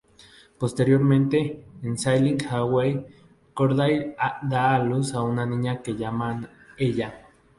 Posteriormente, en "Sailing Away", Corday da a luz a una niña que llaman Ella.